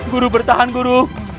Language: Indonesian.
guru bertahan guru